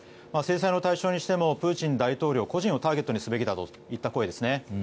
制裁の対象にしてもプーチン大統領個人をターゲットにすべきといった声ですね。